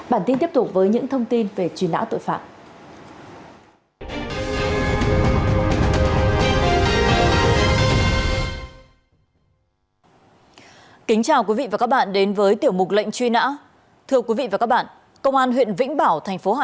bản tin tiếp tục với nhật bản